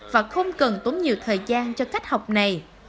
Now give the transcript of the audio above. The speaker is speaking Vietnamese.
và không cần tốn nhiều thời gian cho cách học này